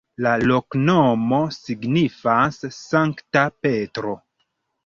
La loknomo signifas: Sankta Petro.